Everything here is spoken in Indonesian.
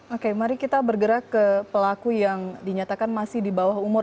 oke mari kita bergerak ke pelaku yang dinyatakan masih di bawah umur